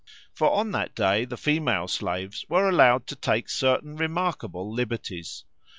For on that day the female slaves were allowed to take certain remarkable liberties.